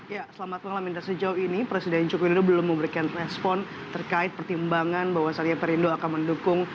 ya selamat malam nesya joko ini presiden joko widodo belum memberikan respon terkait pertimbangan bahwa saatnya perindo akan mendukung